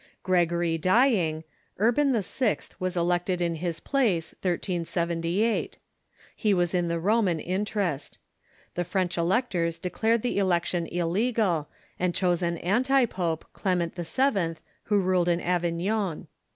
Gregory dying, Urban VI. was elected in his place, IS'ZS. He was in the Roman interest. The French electors declared the election illegal, and chose an anti pope, Clement the Papacy ^'H j who ruled in Avignon.